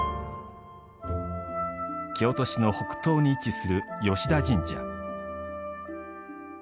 京都市の北東に位置する吉田神社。